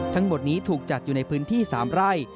ทั้งหมดนี้ถูกจัดอยู่ในพื้นที่๓ไร่